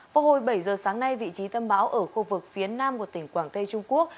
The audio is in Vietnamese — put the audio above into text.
vào hồi bảy giờ sáng nay vị trí tâm bão ở khu vực phía nam của tỉnh quảng tây trung quốc